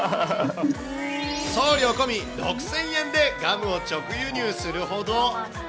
送料込み６０００円でガムを直輸入するほど。